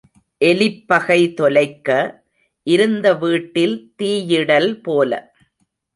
எலிப் பகை தொலைக்க, இருந்த வீட்டில் தீயிடல் போல.